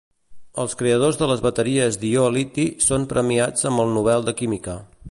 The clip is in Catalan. Els creadors de les bateries d'ió-liti són premiats amb el Nobel de Química.